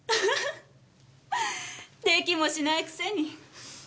できもしないくせに。